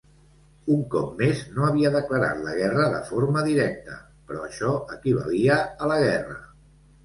Un cop més, no havia declarat la guerra de forma directa, però això equivalia a la guerra.